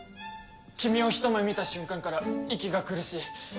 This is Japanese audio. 君をひと目見た瞬間から息が苦しい。